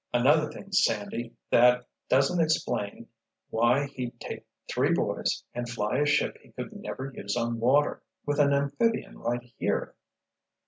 "Another thing, Sandy, that doesn't explain why he'd take three boys and fly a ship he could never use on water—with an amphibian right here."